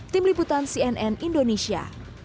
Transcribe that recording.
tim liputan cnn indonesia